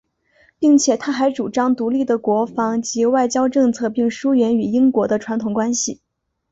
并且他还主张独立的国防及外交政策并疏远与英国的传统关系。